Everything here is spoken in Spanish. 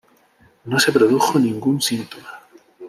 No se produjo ningún síntoma.